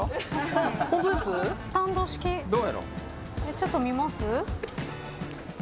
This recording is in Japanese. ちょっと見ます？